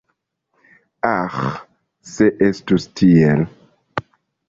Aĥ, se estus tiel!